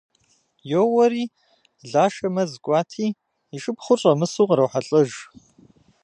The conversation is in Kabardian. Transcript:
Йоуэри, Лашэ мэз кӏуати, и шыпхъур щӏэмысу кърохьэлӏэж.